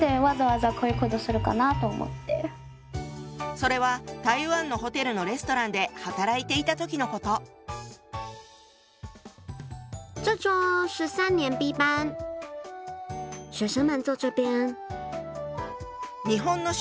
それは台湾のホテルのレストランで働いていた時のこと。をしていました。